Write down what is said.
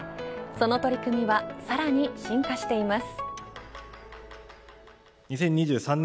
その取り組みはさらに進化しています。